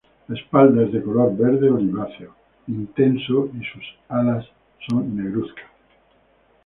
La espalda es de color verde oliváceo intenso y sus las alas son negruzcas.